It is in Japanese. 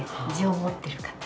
痔を持ってる方。